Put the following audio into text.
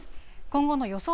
今後の予想